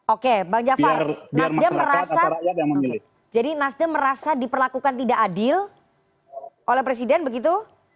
oke bang jafar jadi nasdaq merasa diperlakukan tidak adil oleh presiden begitu